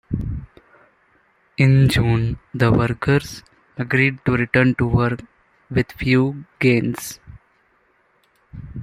In June, the workers agreed to return to work with few gains.